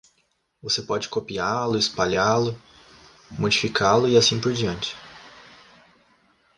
Você pode copiá-lo, espalhá-lo, modificá-lo e assim por diante.